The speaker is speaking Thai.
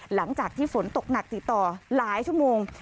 หลังจากที่ฝนตกหนักติดต่อหลายชั่วโมง